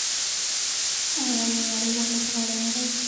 آیا یو نړیوال لوبغاړی نه دی؟